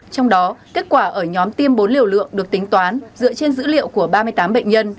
trong đó kết quả ở nhóm tiêm bốn liều lượng được tính toán dựa trên dữ liệu của ba mươi tám bệnh nhân